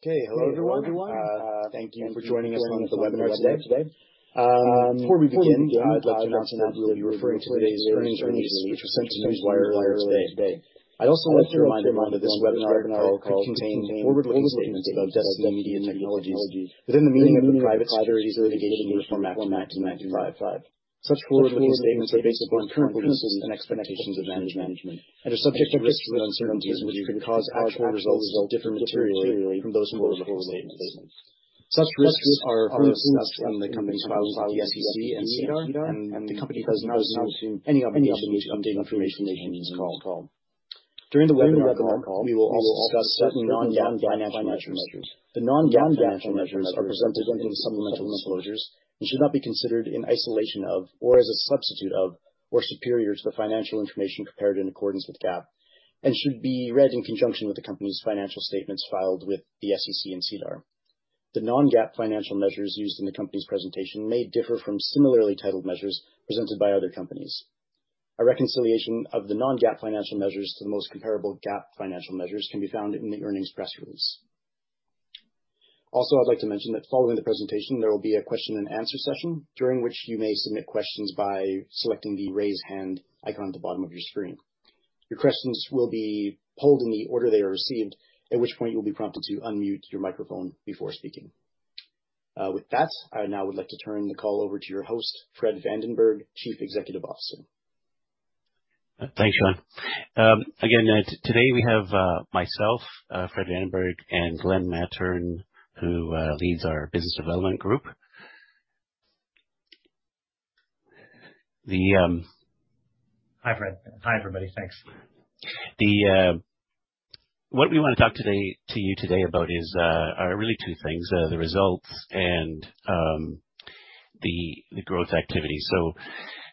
Okay. Hello, everyone. Thank you for joining us on the webinar today. Before we begin, I'd like to note that we'll be referring to today's earnings release, which was sent in the newswire earlier today. I'd also like to remind everyone that this webinar contains forward-looking statements about Destiny Media Technologies within the meaning of the Private Securities Litigation Reform Act of 1995. Such forward-looking statements are based upon current beliefs and expectations of management, and are subject to risks and uncertainties which can cause actual results to differ materially from those forward-looking statements. Such risks are listed in the company's filings with the SEC and SEDAR, and the company does not assume any obligation to update information in this call. During the webinar call, we will also discuss certain non-GAAP financial measures. The non-GAAP financial measures are presented within the supplemental disclosures and should not be considered in isolation of or as a substitute of or superior to the financial information prepared in accordance with GAAP and should be read in conjunction with the company's financial statements filed with the SEC and SEDAR. The non-GAAP financial measures used in the company's presentation may differ from similarly titled measures presented by other companies. A reconciliation of the non-GAAP financial measures to the most comparable GAAP financial measures can be found in the earnings press release. Also, I'd like to mention that following the presentation, there will be a question and answer session during which you may submit questions by selecting the Raise Hand icon at the bottom of your screen. Your questions will be pulled in the order they are received, at which point you'll be prompted to unmute your microphone before speaking. With that, I now would like to turn the call over to your host, Fred Vandenberg, Chief Executive Officer. Thanks, Sean. Again, today we have myself, Fred Vandenberg, and Glenn Mattern, who leads our business development group. Hi, Fred. Hi, everybody. Thanks. What we want to talk to you today about is really two things, the results and the growth activity.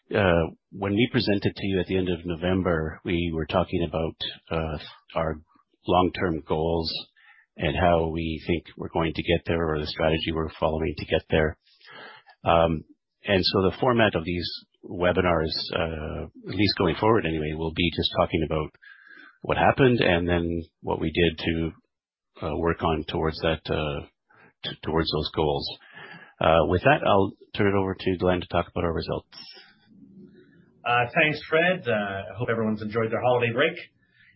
When we presented to you at the end of November, we were talking about our long-term goals and how we think we're going to get there or the strategy we're following to get there. The format of these webinars, at least going forward anyway, will be just talking about what happened and then what we did to work on towards those goals. With that, I'll turn it over to Glenn to talk about our results. Thanks, Fred. I hope everyone's enjoyed their holiday break.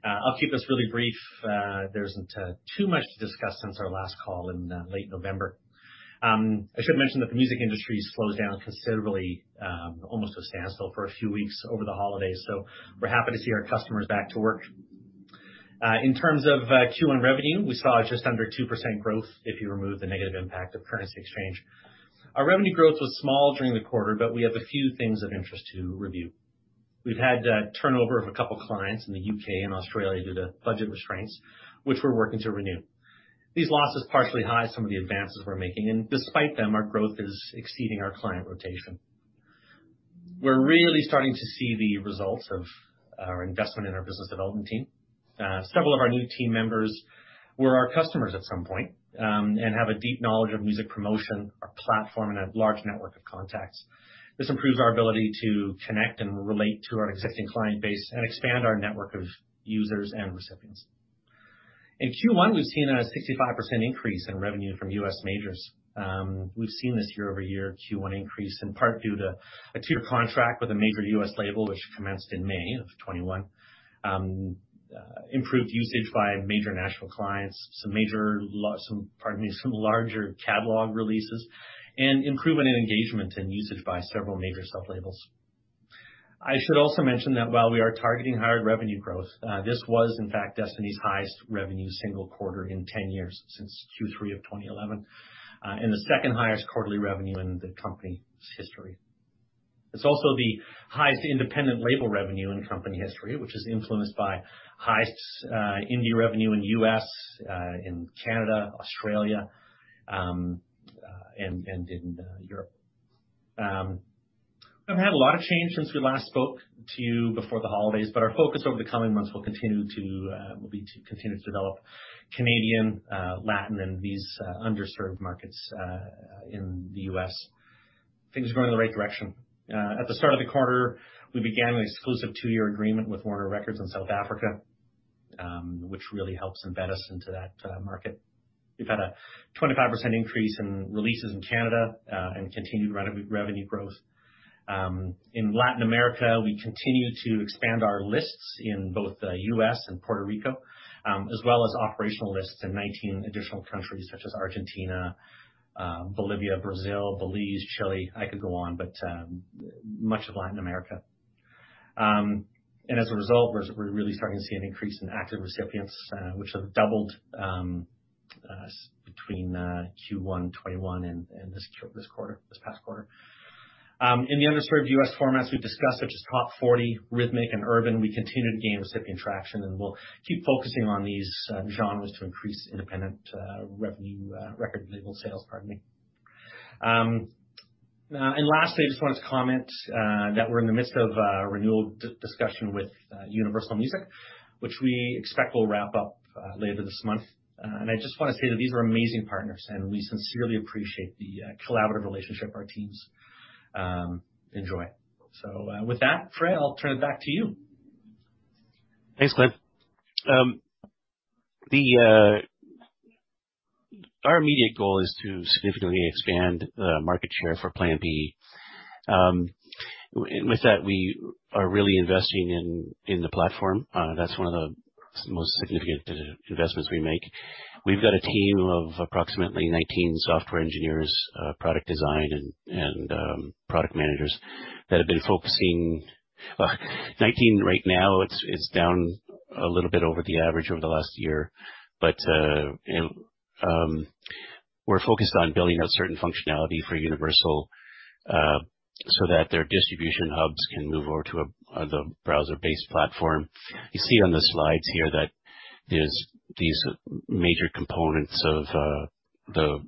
I'll keep this really brief. There isn't too much to discuss since our last call in late November. I should mention that the music industry has slowed down considerably, almost to a standstill for a few weeks over the holidays, so we're happy to see our customers back to work. In terms of Q1 revenue, we saw just under 2% growth if you remove the negative impact of currency exchange. Our revenue growth was small during the quarter, but we have a few things of interest to review. We've had turnover of a couple clients in the U.K. and Australia due to budget restraints, which we're working to renew. These losses partially hide some of the advances we're making, and despite them, our growth is exceeding our client rotation. We're really starting to see the results of our investment in our business development team. Several of our new team members were our customers at some point and have a deep knowledge of music promotion, our platform, and a large network of contacts. This improves our ability to connect and relate to our existing client base and expand our network of users and recipients. In Q1, we've seen a 65% increase in revenue from US majors. We've seen this year-over-year Q1 increase in part due to a two-year contract with a major US label which commenced in May of 2021, improved usage by major national clients, some larger catalog releases, and improvement in engagement and usage by several major sub-labels. I should also mention that while we are targeting higher revenue growth, this was in fact Destiny's highest revenue single-quarter in 10 years since Q3 of 2011, and the second highest quarterly revenue in the company's history. It's also the highest independent label revenue in company history, which is influenced by highest indie revenue in US, in Canada, Australia, and in Europe. We haven't had a lot of change since we last spoke to you before the holidays, but our focus over the coming months will be to continue to develop Canadian, Latin, and these underserved markets, in the US. Things are going in the right direction. At the start of the quarter, we began an exclusive two-year agreement with Warner Music South Africa, which really helps embed us into that market. We've had a 25% increase in releases in Canada and continued revenue growth. In Latin America, we continue to expand our lists in both the US and Puerto Rico, as well as operational lists in 19 additional countries such as Argentina, Bolivia, Brazil, Belize, Chile. I could go on, but much of Latin America. As a result, we're really starting to see an increase in active recipients, which have doubled between Q1 2021 and this quarter, this past quarter. In the underserved US formats we've discussed, such as Top 40, Rhythmic, and Urban, we continue to gain recipient traction, and we'll keep focusing on these genres to increase independent revenue, record label sales, pardon me. Lastly, I just wanted to comment that we're in the midst of a renewal discussion with Universal Music, which we expect will wrap up later this month. I just wanna say that these are amazing partners, and we sincerely appreciate the collaborative relationship our teams enjoy. With that, Fred, I'll turn it back to you. Thanks, Cliff. Our immediate goal is to significantly expand the market share for Play MPE. With that, we are really investing in the platform. That's one of the most significant investments we make. We've got a team of approximately 19 software engineers, product designers and product managers that have been focusing. 19 right now. It's down a little bit over the average over the last year, but we're focused on building out certain functionality for Universal so that their distribution hubs can move over to the browser-based platform. You see on the slides here that there's these major components of the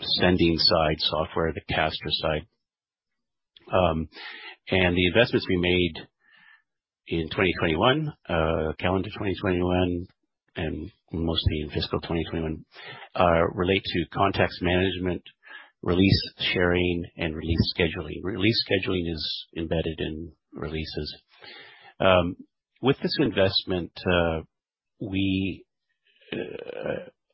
sending side software, the caster side. The investments we made in 2021, calendar 2021 and mostly in fiscal 2021, relate to contacts management, release sharing and release scheduling. Release scheduling is embedded in releases. With this investment, we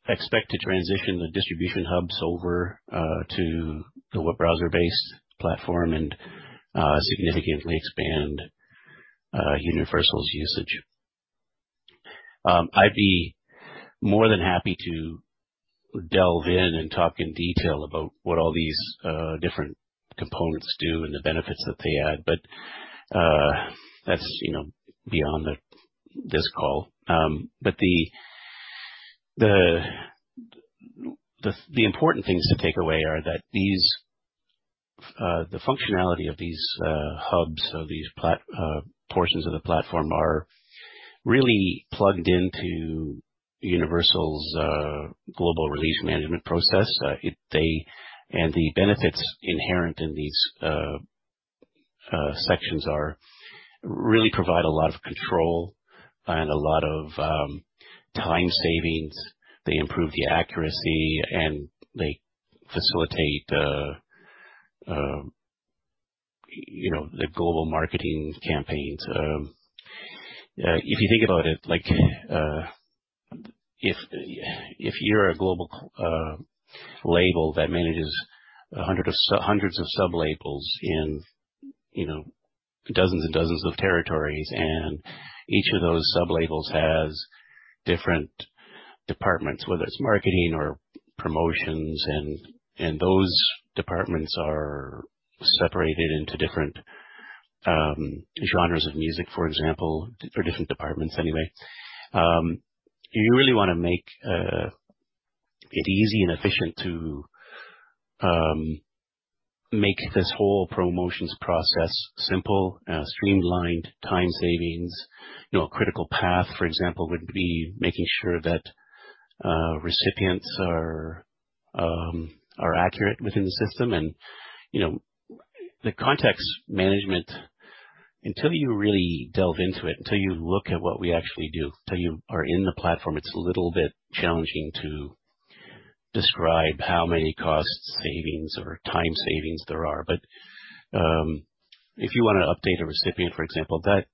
expect to transition the distribution hubs over to the web browser-based platform and significantly expand Universal's usage. I'd be more than happy to delve in and talk in detail about what all these different components do and the benefits that they add. That's, you know, beyond this call. The important things to take away are that the functionality of these hubs or these portions of the platform are really plugged into Universal's global release management process. They, and the benefits inherent in these sections are really provide a lot of control and a lot of time savings. They improve the accuracy, and they facilitate you know, the global marketing campaigns. If you think about it, like, if you're a global label that manages hundreds of sublabels in you know, dozens and dozens of territories, and each of those sublabels has different departments, whether it's marketing or promotions. Those departments are separated into different genres of music, for example, or different departments anyway. You really wanna make it easy and efficient to make this whole promotions process simple streamlined, time savings. You know, a critical path, for example, would be making sure that recipients are accurate within the system. You know, the contacts management, until you really delve into it, until you look at what we actually do, till you are in the platform, it's a little bit challenging to describe how many cost savings or time savings there are. If you wanna update a recipient, for example, that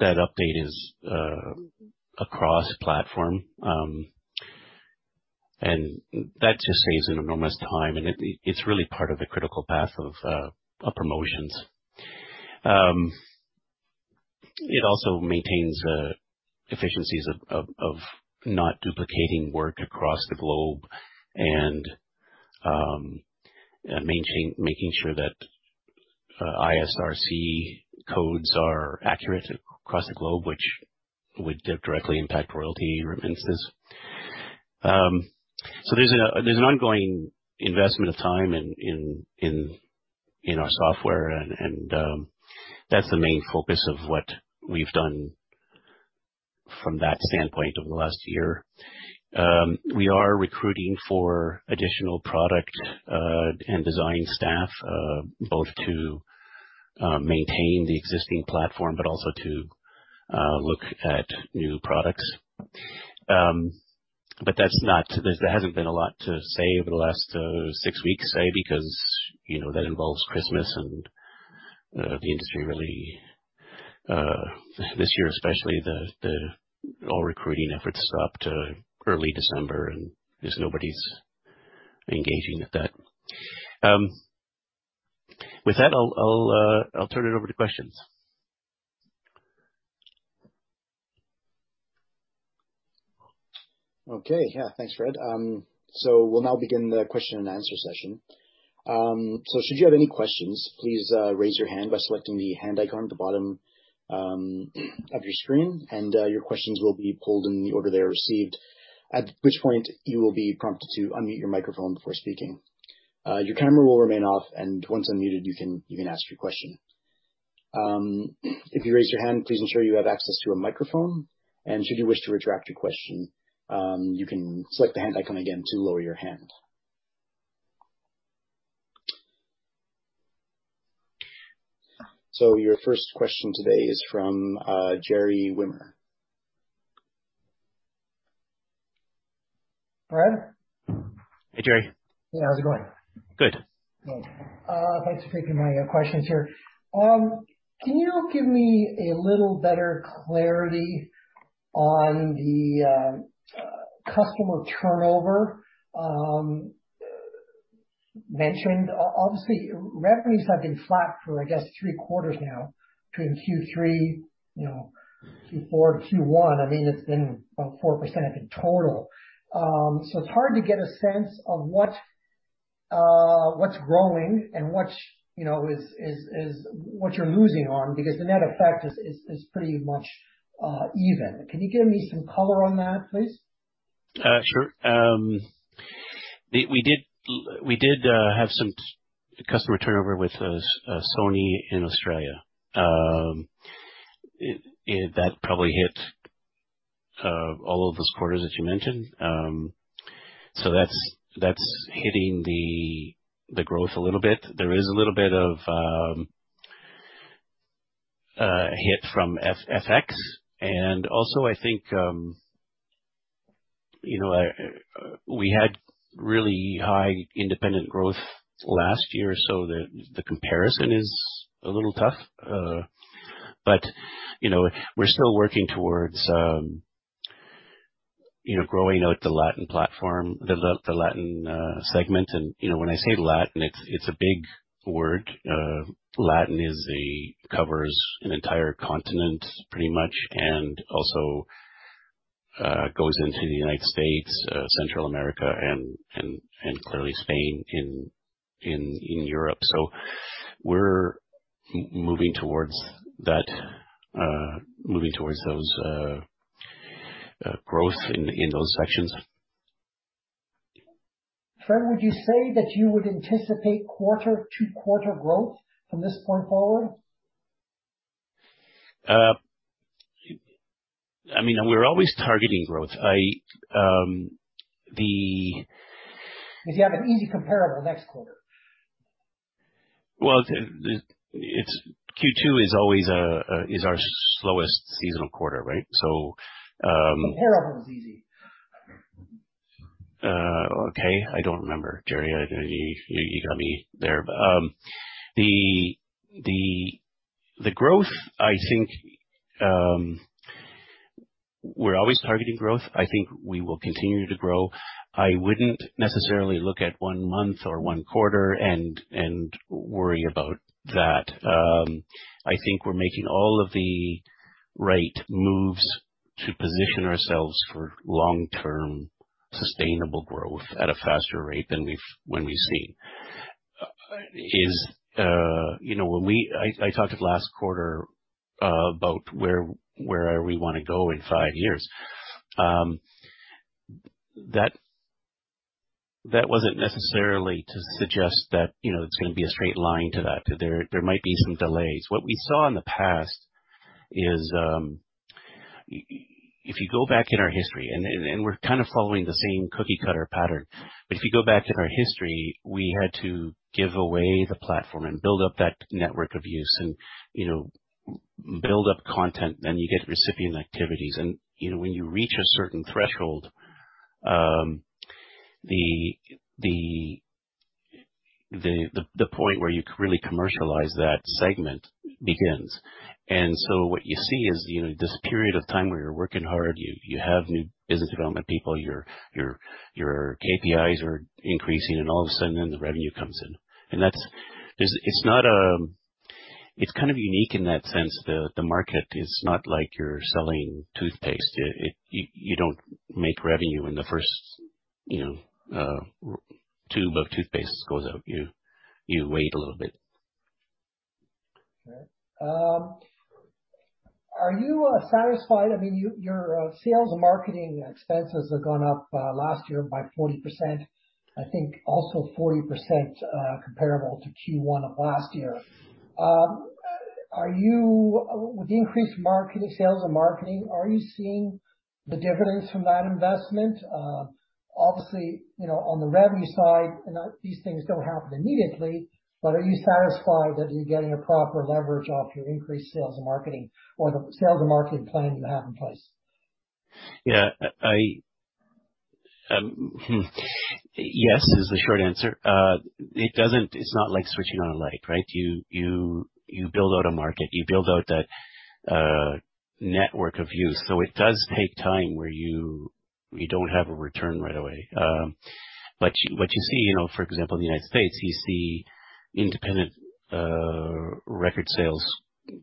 update is across platform. And that just saves an enormous time, and it's really part of the critical path of promotions. It also maintains efficiencies of not duplicating work across the globe and making sure that ISRC codes are accurate across the globe, which would directly impact royalty remittances. There's an ongoing investment of time in our software, and that's the main focus of what we've done from that standpoint over the last year. We are recruiting for additional product and design staff, both to maintain the existing platform but also to look at new products. There hasn't been a lot to say over the last six weeks, say, because, you know, that involves Christmas and the industry really this year especially, all recruiting efforts stopped too early December, and just nobody's engaging with that. With that, I'll turn it over to questions. Okay. Yeah. Thanks, Fred. We'll now begin the question and answer session. Should you have any questions, please raise your hand by selecting the hand icon at the bottom of your screen, and your questions will be pulled in the order they are received, at which point you will be prompted to unmute your microphone before speaking. Your camera will remain off, and once unmuted, you can ask your question. If you raise your hand, please ensure you have access to a microphone, and should you wish to retract your question, you can select the hand icon again to lower your hand. Your first question today is from Gerry Wimmer. Fred? Hey, Gerry. Hey, how's it going? Good. Good. Thanks for taking my questions here. Can you give me a little better clarity on the customer turnover mentioned? Obviously, revenues have been flat for, I guess, three quarters now between Q3, you know, Q4 to Q1. I mean, it's been about 4% in total. So it's hard to get a sense of what what's growing and what, you know, is what you're losing on because the net effect is pretty much even. Can you give me some color on that, please? Sure. We did have some customer turnover with Sony in Australia. That probably hit all of those quarters that you mentioned. That's hitting the growth a little bit. There is a little bit of hit from FX. I think, you know, we had really high independent growth last year, so the comparison is a little tough. You know, we're still working towards, you know, growing out the Latin platform, the Latin segment. You know, when I say Latin, it's a big word. Latin covers an entire continent pretty much and also goes into the United States, Central America and clearly Spain in Europe. We're moving towards that. Moving towards those, growth in those sections. Fred, would you say that you would anticipate quarter-to-quarter growth from this point forward? I mean, we're always targeting growth. If you have an easy comparable next quarter. Well, it's Q2 is always our slowest seasonal quarter, right? So Comparable is easy. Okay. I don't remember, Gerry. I... You got me there. But the growth, I think, we're always targeting growth. I think we will continue to grow. I wouldn't necessarily look at one month or one quarter and worry about that. I think we're making all of the right moves to position ourselves for long-term sustainable growth at a faster rate than we've seen. You know, I talked last quarter about where we wanna go in five years. That wasn't necessarily to suggest that, you know, it's gonna be a straight line to that. There might be some delays. What we saw in the past is, if you go back in our history and we're kind of following the same cookie cutter pattern. If you go back in our history, we had to give away the platform and build up that network of use and, you know, build up content, then you get recipient activities. You know, when you reach a certain threshold, the point where you could really commercialize that segment begins. What you see is, you know, this period of time where you're working hard, you have new business development people, your KPIs are increasing and all of a sudden then the revenue comes in. That's it. It's kind of unique in that sense. The market is not like you're selling toothpaste. You don't make revenue in the first, you know, tube of toothpaste that goes out. You wait a little bit. Sure. Are you satisfied? I mean, your sales and marketing expenses have gone up last year by 40%. I think also 40% comparable to Q1 of last year. With the increased marketing, sales and marketing, are you seeing the dividends from that investment? Obviously, you know, on the revenue side, you know, these things don't happen immediately, but are you satisfied that you're getting a proper leverage off your increased sales and marketing or the sales and marketing plan you have in place? Yeah. Yes is the short answer. It doesn't. It's not like switching on a light, right? You build out a market. You build out that network of use. It does take time where you don't have a return right away. But what you see, you know, for example, in the United States, you see independent record sales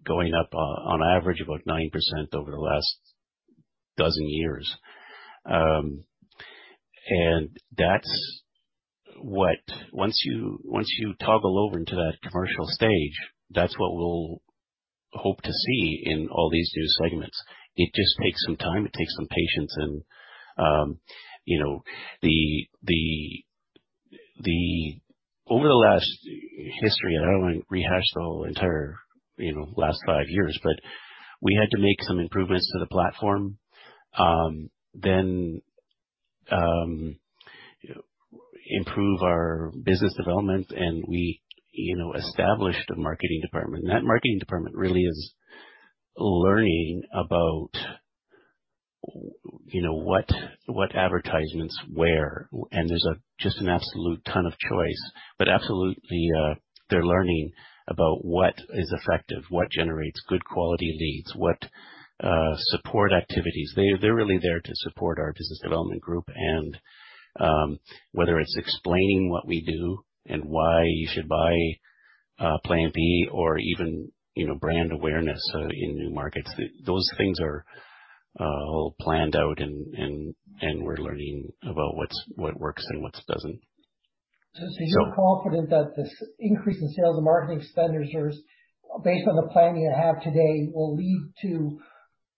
going up on average about 9% over the last 12 years. And that's what once you toggle over into that commercial stage, that's what we'll hope to see in all these new segments. It just takes some time. It takes some patience. You know, over the last history, I don't wanna rehash the whole entire, you know, last 5 years, but we had to make some improvements to the platform. We improved our business development and we, you know, established a marketing department. That marketing department really is learning about, you know, what advertisements work, and there's just an absolute ton of choice. Absolutely, they're learning about what is effective, what generates good quality leads, what support activities. They're really there to support our business development group and whether it's explaining what we do and why you should buy Play MPE or even, you know, brand awareness in new markets. Those things are all planned out and we're learning about what works and what doesn't. You're confident that this increase in sales and marketing expenditures based on the planning you have today, will lead to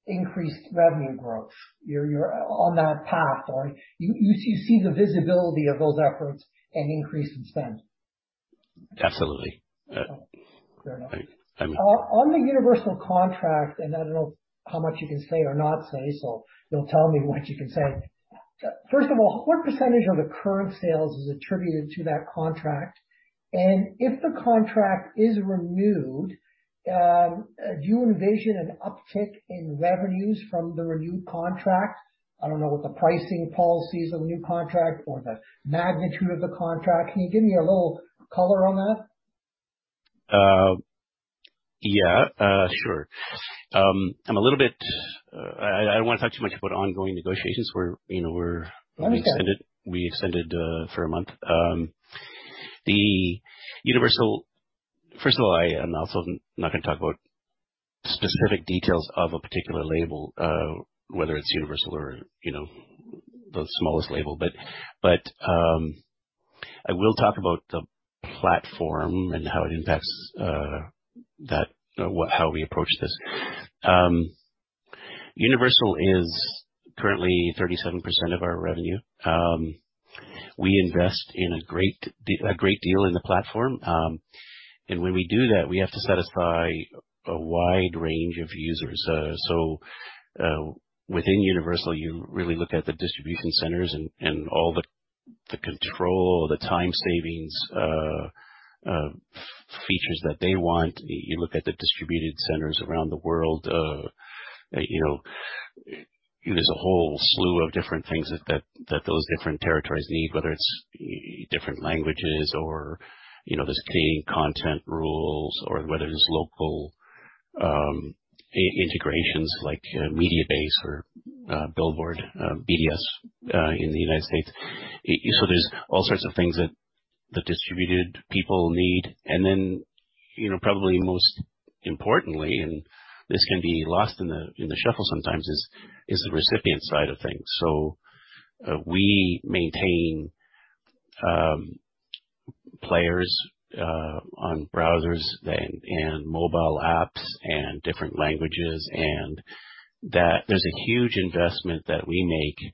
increased revenue growth. You're on that path or you see the visibility of those efforts and increase in spend. Absolutely. Fair enough. On the Universal contract, and I don't know how much you can say or not say, so you'll tell me what you can say. First of all, what percentage of the current sales is attributed to that contract? If the contract is renewed, do you envision an uptick in revenues from the renewed contract? I don't know what the pricing policy is of the new contract or the magnitude of the contract. Can you give me a little color on that? Yeah, sure. I'm a little bit, I don't want to talk too much about ongoing negotiations. You know, we're Understood. We extended for a month. First of all, I am also not gonna talk about specific details of a particular label, whether it's Universal or, you know, the smallest label. I will talk about the platform and how it impacts how we approach this. Universal is currently 37% of our revenue. We invest in a great deal in the platform. When we do that, we have to satisfy a wide range of users. Within Universal, you really look at the distribution centers and all the control, the time savings, features that they want. You look at the distribution centers around the world. You know, there's a whole slew of different things that those different territories need, whether it's different languages or, you know, there's cleaning content rules or whether it's local integrations like Mediabase or Billboard, BDS in the United States. There's all sorts of things that the distributed people need. You know, probably most importantly, and this can be lost in the shuffle sometimes is the recipient side of things. We maintain players on browsers and mobile apps and different languages and that there's a huge investment that we make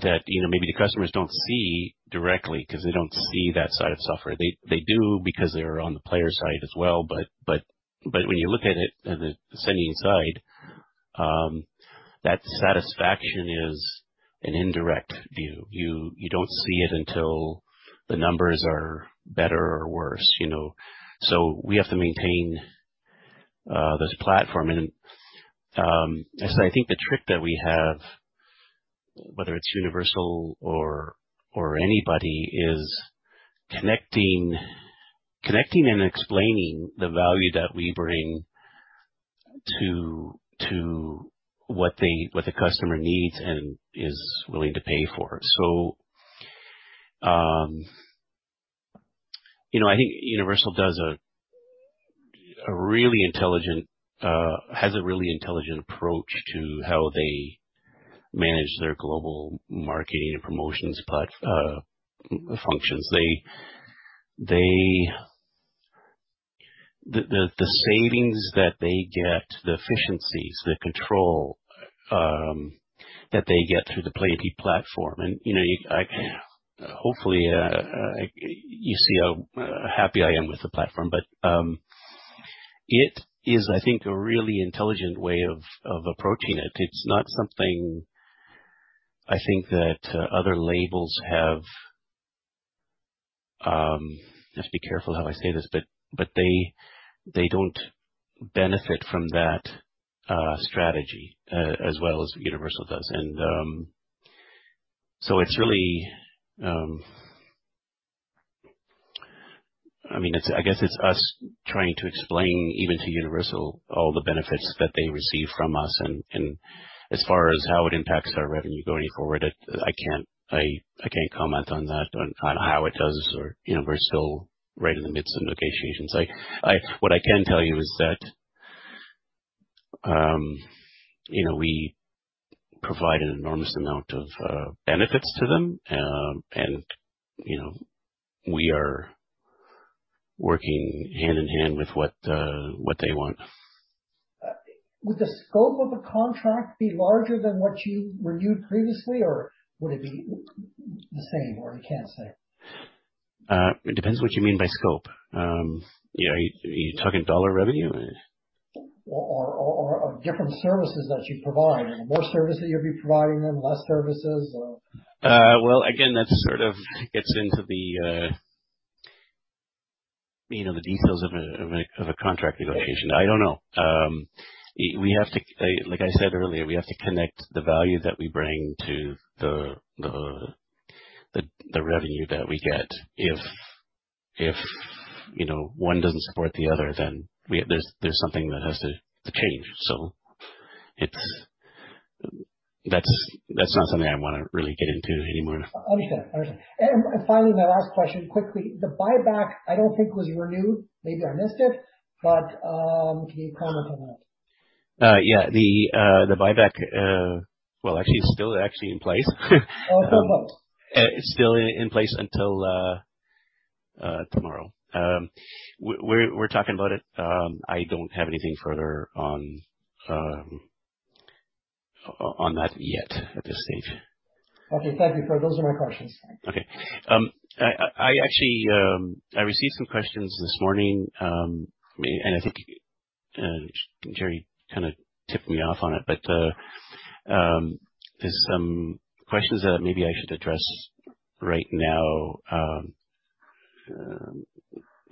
that you know, maybe the customers don't see directly because they don't see that side of software. They do because they're on the player side as well, but when you look at it, at the sending side, that satisfaction is an indirect view. You don't see it until the numbers are better or worse, you know. We have to maintain this platform. As I think the trick that we have, whether it's Universal or anybody, is connecting and explaining the value that we bring to what the customer needs and is willing to pay for. You know, I think Universal has a really intelligent approach to how they manage their global marketing and promotions functions. The savings that they get, the efficiencies, the control that they get through the Play MPE platform. You know, hopefully you see how happy I am with the platform, but it is, I think, a really intelligent way of approaching it. It's not something I think that other labels have. I have to be careful how I say this, but they don't benefit from that strategy as well as Universal does. It's really I mean, I guess it's us trying to explain even to Universal all the benefits that they receive from us. As far as how it impacts our revenue going forward, I can't comment on that, on how it does or, you know, we're still right in the midst of negotiations. What I can tell you is that, you know, we provide an enormous amount of benefits to them. You know, we are working hand in hand with what they want. Would the scope of the contract be larger than what you renewed previously, or would it be the same, or you can't say? It depends what you mean by scope. You know, are you talking dollar revenue? Different services that you provide? More services you'll be providing them, less services? Well, again, that sort of gets into the, you know, the details of a contract negotiation. I don't know. Like I said earlier, we have to connect the value that we bring to the revenue that we get. If you know one doesn't support the other, then there's something that has to change. That's not something I wanna really get into anymore. Understood. Finally, my last question, quickly. The buyback, I don't think was renewed. Maybe I missed it, but, can you comment on that? Yeah. The buyback, well, actually, it's still actually in place. Oh, okay. It's still in place until tomorrow. We're talking about it. I don't have anything further on that yet at this stage. Okay. Thank you. Those are my questions. Okay. I actually received some questions this morning, and I think Gerry kinda tipped me off on it, but there's some questions that maybe I should address right now,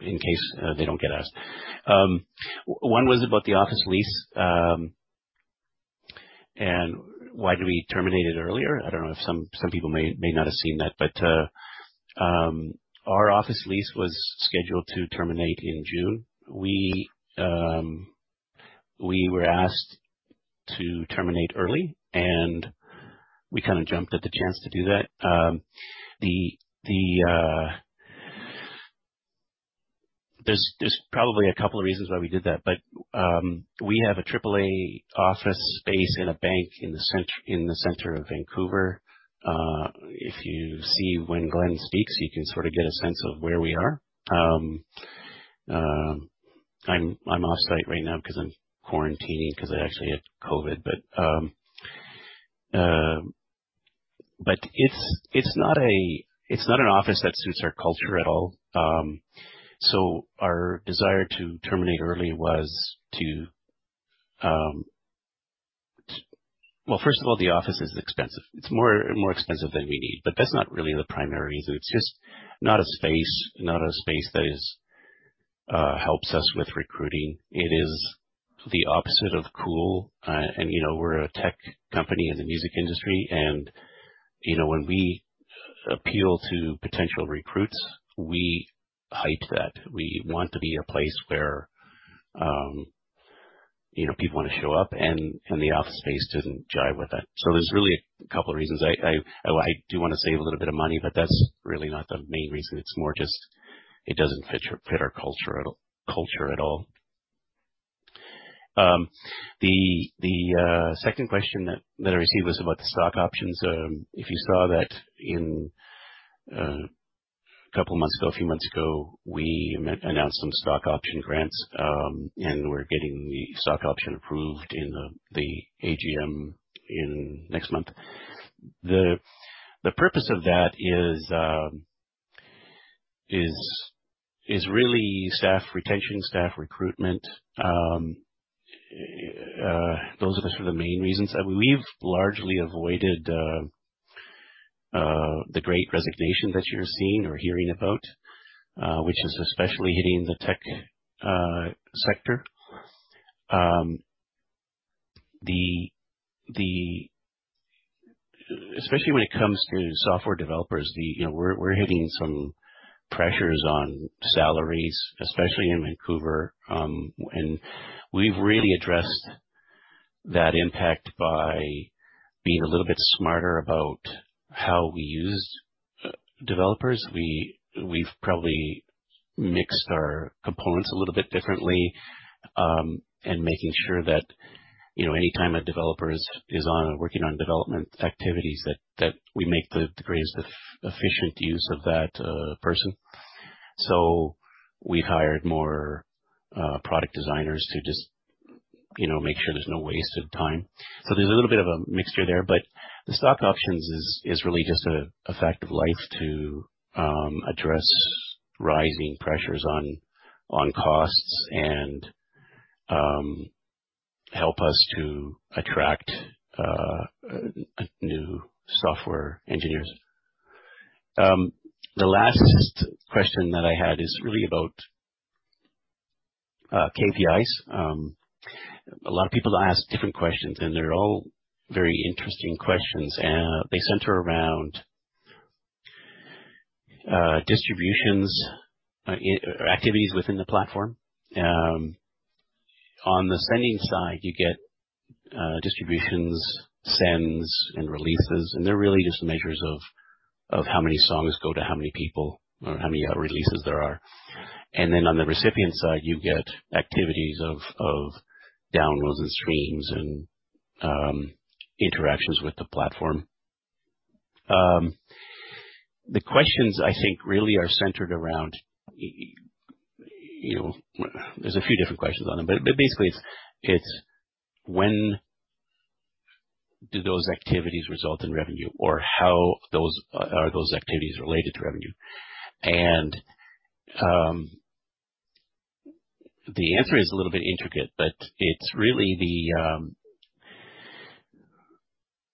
in case they don't get asked. One was about the office lease, and why we terminate it earlier. I don't know if some people may not have seen that. Our office lease was scheduled to terminate in June. We were asked to terminate early, and we kinda jumped at the chance to do that. There's probably a couple of reasons why we did that. We have a triple A office space in a bank in the center of Vancouver. If you see when Glenn speaks, you can sort of get a sense of where we are. I'm off-site right now 'cause I'm quarantining 'cause I actually had COVID. It's not an office that suits our culture at all. Our desire to terminate early was, well, first of all, the office is expensive. It's more expensive than we need, but that's not really the primary reason. It's just not a space that helps us with recruiting. It is the opposite of cool. You know, we're a tech company in the music industry, and you know, when we appeal to potential recruits, we hype that. We want to be a place where, you know, people wanna show up and the office space didn't jive with it. There's really a couple of reasons. I do wanna save a little bit of money, but that's really not the main reason. It's more just it doesn't fit our culture at all. The second question that I received was about the stock options. If you saw that in a few months ago, we announced some stock option grants, and we're getting the stock option approved in the AGM in next month. The purpose of that is really staff retention, staff recruitment. Those are the sort of main reasons. We've largely avoided the Great Resignation that you're seeing or hearing about, which is especially hitting the tech sector. Especially when it comes to software developers. You know, we're hitting some pressures on salaries, especially in Vancouver. We've really addressed that impact by being a little bit smarter about how we use developers. We've probably mixed our components a little bit differently, making sure that, you know, any time a developer is working on development activities that we make the greatest efficient use of that person. We hired more product designers to just, you know, make sure there's no waste of time. There's a little bit of a mixture there. The stock options is really just a fact of life to address rising pressures on costs and help us to attract new software engineers. The last question that I had is really about KPIs. A lot of people ask different questions, and they're all very interesting questions. They center around distributions or activities within the platform. On the sending side, you get distributions, sends and releases, and they're really just measures of how many songs go to how many people or how many releases there are. Then on the recipient side, you get activities of downloads and streams and interactions with the platform. The questions I think really are centered around... You know, there's a few different questions on them, but basically it's when do those activities result in revenue or are those activities related to revenue? The answer is a little bit intricate, but it's really the.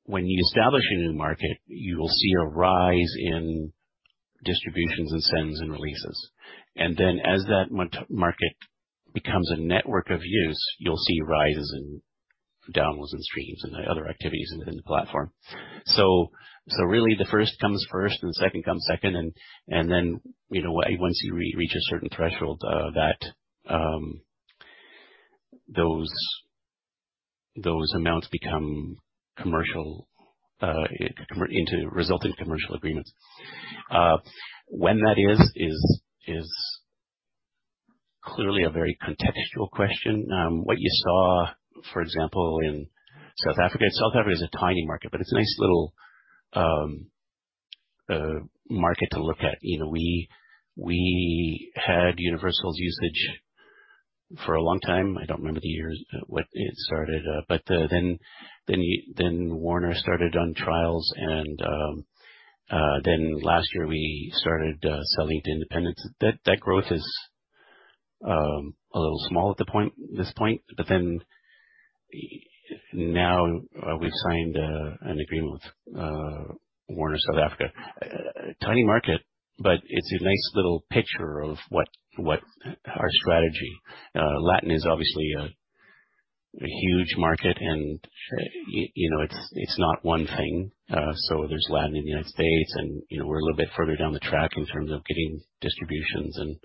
When you establish a new market, you will see a rise in distributions and sends and releases. Then as that market becomes a network of use, you'll see rises in downloads and streams and other activities within the platform. So really the first comes first and second comes second and then, you know, once you reach a certain threshold, that those amounts become commercial and result in commercial agreements. When that is clearly a very contextual question. What you saw, for example, in South Africa. South Africa is a tiny market, but it's a nice little market to look at. You know, we had Universal's usage for a long time. I don't remember the years when it started, but then Warner started on trials and then last year, we started selling to independents. That growth is a little small at this point, but now we've signed an agreement with Warner Music South Africa. A tiny market, but it's a nice little picture of what our strategy. Latin is obviously a huge market and you know, it's not one thing. There's Latin in the United States and, you know, we're a little bit further down the track in terms of getting distributions and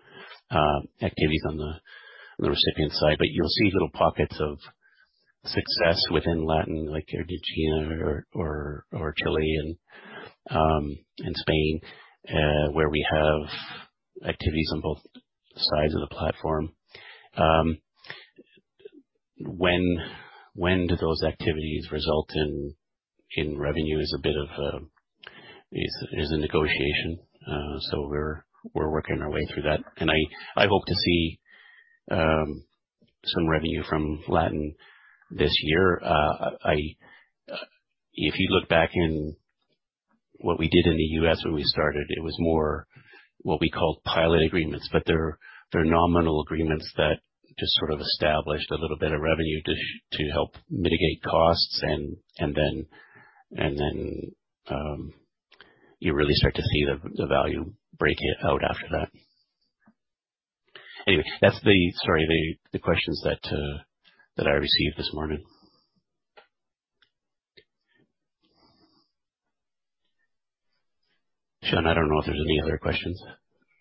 activities on the recipient side. But you'll see little pockets of success within Latin like Argentina or Chile and Spain, where we have activities on both sides of the platform. When do those activities result in revenue is a bit of a negotiation. We're working our way through that. I hope to see some revenue from Latin this year. If you look back in what we did in the US when we started, it was more what we called pilot agreements. They're nominal agreements that just sort of established a little bit of revenue to help mitigate costs and then you really start to see the value break it out after that. Anyway, sorry, that's the questions that I received this morning. Sean, I don't know if there's any other questions.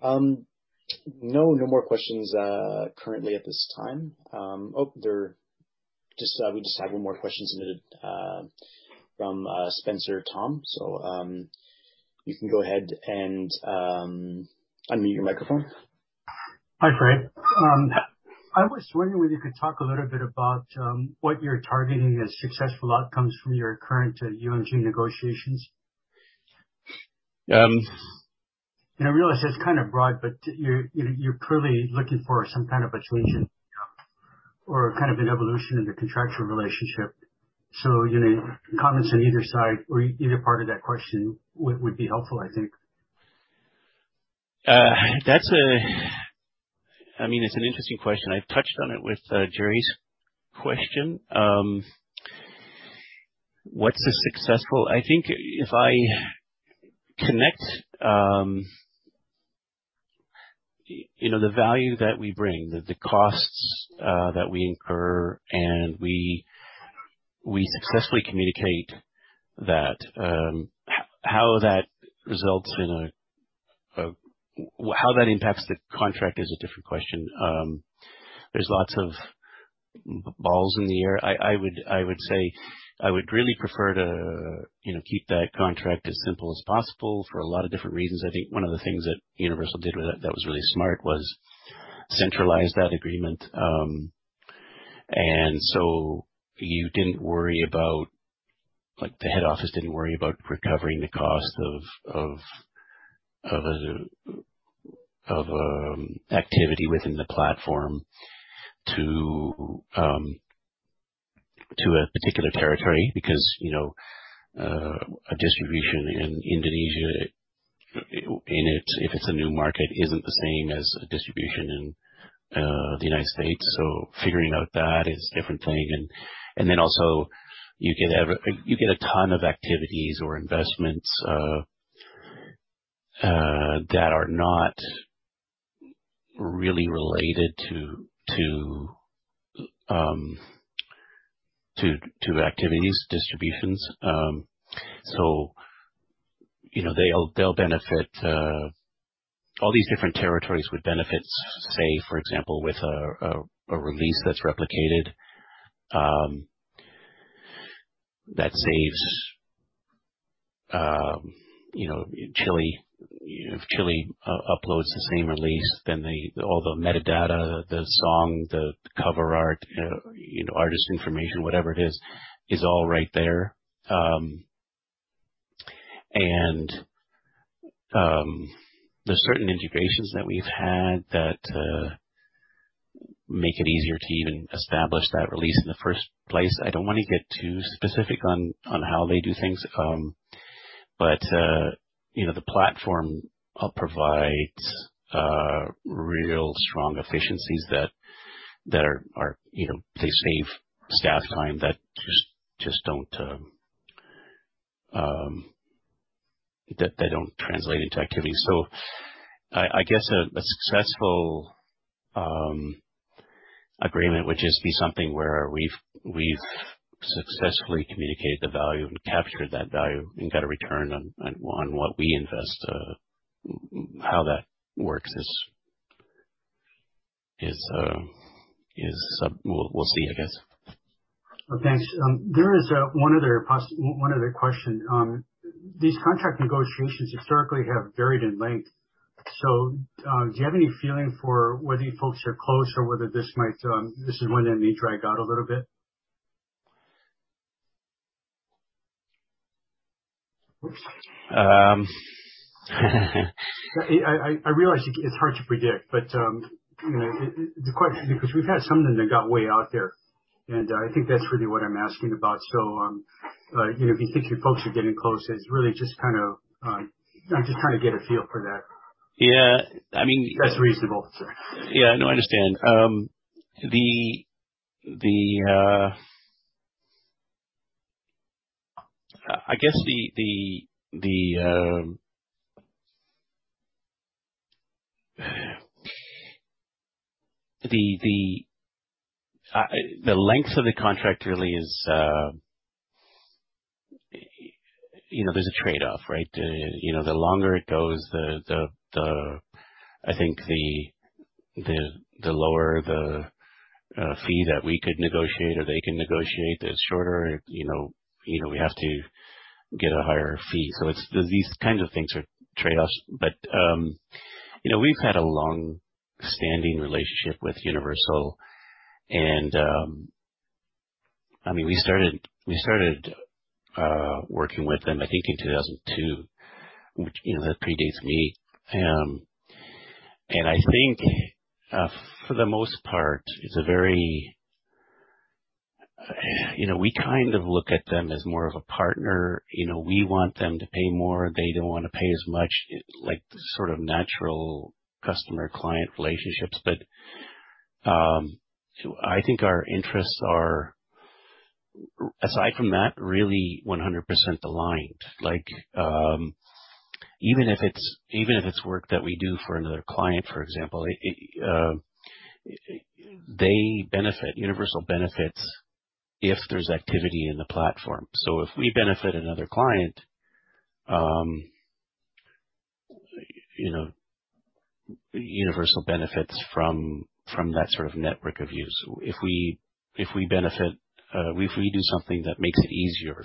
No more questions currently at this time. Oh, we just had one more question submitted from Spencer Tom. You can go ahead and unmute your microphone. Hi, Greg. I was wondering whether you could talk a little bit about what you're targeting as successful outcomes from your current UMG negotiations. Um- I realize it's kind of broad, but you're, you know, you're clearly looking for some kind of a solution, or kind of an evolution in the contractual relationship. You know, comments on either side or either part of that question would be helpful, I think. I mean, it's an interesting question. I've touched on it with Gerry's question. What's successful? I think if I connect you know, the value that we bring, the costs that we incur and we successfully communicate that, how that impacts the contract is a different question. There's lots of balls in the air. I would say I would really prefer to you know, keep that contract as simple as possible for a lot of different reasons. I think one of the things that Universal did with it that was really smart was centralize that agreement, and so you didn't worry about, like, the head office didn't worry about recovering the cost of a activity within the platform to a particular territory because, you know, a distribution in Indonesia, if it's a new market, isn't the same as a distribution in the United States. Figuring out that is a different thing. Then also you get a ton of activities or investments that are not really related to activities, distributions. You know, they'll benefit all these different territories with benefits, say for example, with a release that's replicated that saves, you know, Chile. If Chile uploads the same release, then they all the metadata, the song, the cover art, you know, artist information, whatever it is all right there. There's certain integrations that we've had that make it easier to even establish that release in the first place. I don't wanna get too specific on how they do things, but you know, the platform provides real strong efficiencies that are, you know, they save staff time that just don't translate into activity. I guess a successful agreement would just be something where we've successfully communicated the value and captured that value and got a return on what we invest. How that works is. We'll see, I guess. Well, thanks. There is one other question. These contract negotiations historically have varied in length. Do you have any feeling for whether you folks are close or whether this might, this is one that may drag out a little bit? Um, I realize it's hard to predict, but you know, the question, because we've had some of them that got way out there, and I think that's really what I'm asking about. You know, if you think you folks are getting close, it's really just to kind of, I'm just trying to get a feel for that. Yeah. I mean. That's reasonable. Sorry. Yeah. No, I understand. I guess the length of the contract. You know, there's a trade-off, right? You know, the longer it goes, I think the lower the fee that we could negotiate or they can negotiate. The shorter, you know, we have to get a higher fee. So it's these kinds of things are trade-offs. You know, we've had a long-standing relationship with Universal, and, I mean, we started working with them I think in 2002, which, you know, that predates me. I think, for the most part, you know, we kind of look at them as more of a partner. You know, we want them to pay more. They don't wanna pay as much. It's like the sort of natural customer-client relationships. I think our interests are, aside from that, really 100% aligned. Like, even if it's work that we do for another client, for example, they benefit. Universal benefits if there's activity in the platform. If we benefit another client, you know, Universal benefits from that sort of network of use. If we do something that makes it easier,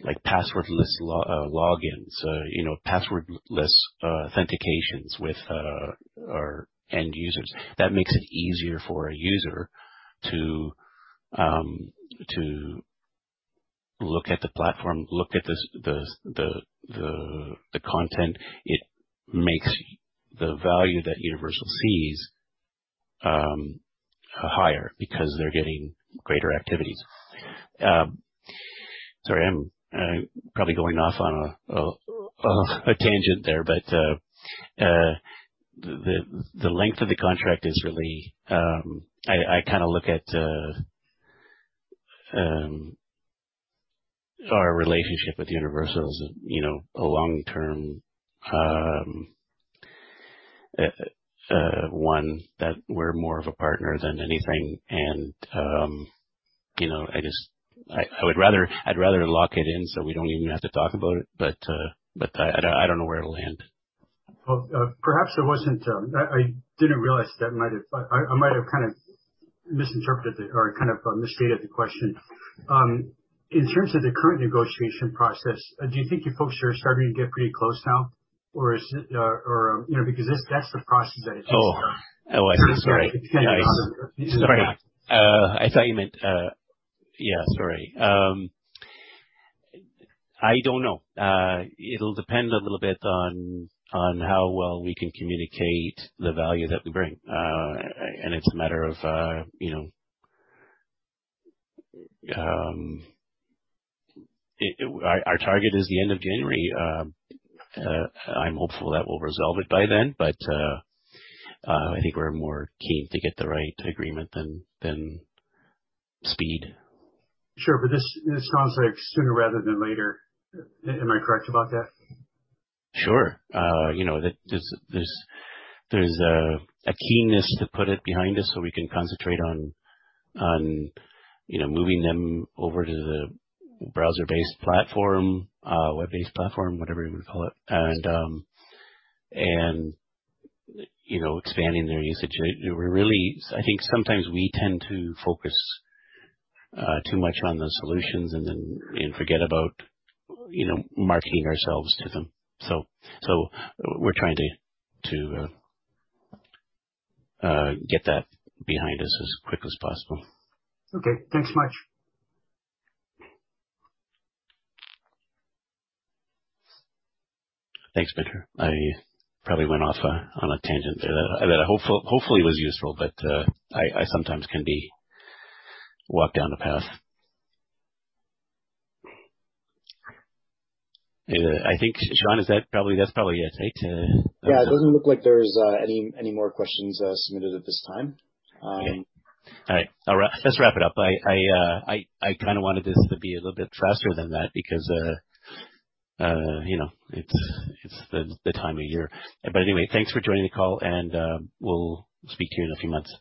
like password-less logins, you know, password-less authentications with our end users, that makes it easier for a user to look at the platform, look at the content. It makes the value that Universal sees higher because they're getting greater activities. Sorry, I'm probably going off on a tangent there, but the length of the contract is really. I kinda look at our relationship with Universal as, you know, a long-term one that we're more of a partner than anything. You know, I just would rather lock it in so we don't even have to talk about it, but I don't know where it'll land. Well, perhaps I might have kind of misinterpreted or kind of misstated the question. In terms of the current negotiation process, do you think you folks are starting to get pretty close now, or is it, or you know, because that's the process that it takes. Oh. Oh, I see. Sorry. It's getting down the road. Sorry. I thought you meant... Yeah, sorry. I don't know. It'll depend a little bit on how well we can communicate the value that we bring. And it's a matter of, you know... Our target is the end of January. I'm hopeful that we'll resolve it by then, but I think we're more keen to get the right agreement than speed. Sure. This sounds like sooner rather than later. Am I correct about that? Sure. You know, there's a keenness to put it behind us so we can concentrate on you know moving them over to the browser-based platform, web-based platform, whatever you wanna call it, and you know expanding their usage. We're really, I think, sometimes we tend to focus too much on the solutions and then forget about you know marketing ourselves to them. We're trying to get that behind us as quick as possible. Okay. Thanks much. Thanks, Spencer Tom. I probably went off on a tangent there that hopefully was useful, but I sometimes can be led down a path. I think, Sean, that's probably it, eh? Yeah. It doesn't look like there's any more questions submitted at this time. Okay. All right. Let's wrap it up. I kinda wanted this to be a little bit faster than that because you know, it's the time of year. But anyway, thanks for joining the call, and we'll speak to you in a few months.